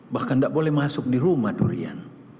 bahkan tidak boleh masuk di rumah durian